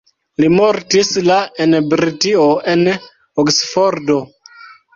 Li mortis la en Britio en Oksfordo.